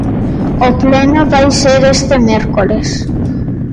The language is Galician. O pleno vai ser este mércores.